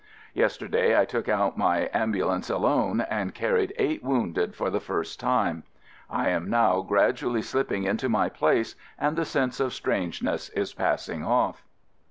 Yesterday I took out my ambu lance alone and carried eight wounded for the first time. I am now gradually slip ping into my place and the sense of strangeness is passing off.